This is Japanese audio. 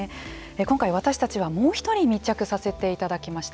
今回私たちはもう１人密着させていただきました。